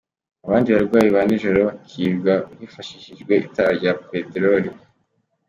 Abandi barwayi ba nijoro, bakirwa hifashishijwe itara rya Peteroli.